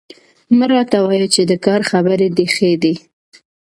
مه راته وايه چي د کار خبري ډي ښې دي